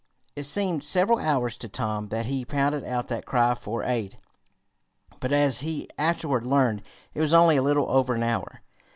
It seemed several hours to Tom that he pounded out that cry for aid, but, as he afterward learned, it was only a little over an hour.